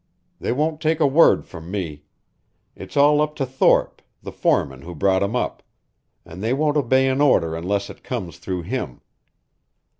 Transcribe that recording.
They won't take a word from me. It's all up to Thorpe, the foreman who brought 'em up, and they won't obey an order unless it comes through him.